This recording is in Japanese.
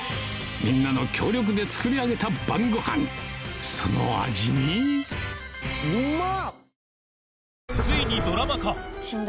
みんなの協力で作り上げた晩ごはんその味にうまっ！